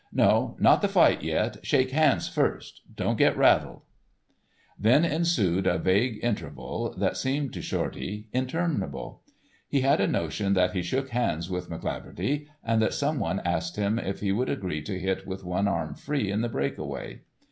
"No, not the fight yet, shake hands first. Don't get rattled." Then ensued a vague interval, that seemed to Shorty interminable. He had a notion that he shook hands with McCleaverty, and that some one asked him if he would agree to hit with one arm free in the breakaway.